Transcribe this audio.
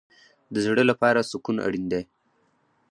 د زړه لپاره سکون اړین دی